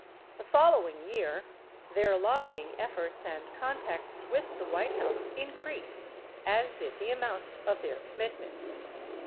The fol lowing year, their lobbying efforts and contacts with the White House increased — as did the amount of their commitments.